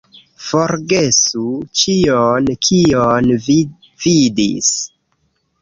Forgesu ĉion kion vi vidis